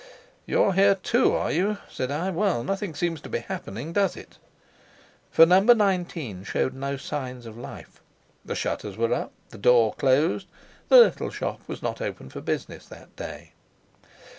"You're here too, are you?" said I. "Well, nothing seems to be happening, does it?" For No. 19 showed no sign of life. The shutters were up, the door closed; the little shop was not open for business that day.